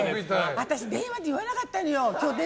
私、電話で言わなかったのよ。